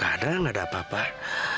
kadang ada apa pak